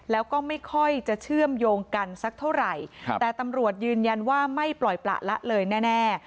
แล้วก็ไม่ค่อยจะเชื่อมโยงกันสักเท่าไหร่แต่ตำรวจยืนยันว่าไม่ปล่อยประละเลยแน่